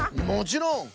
もちろん！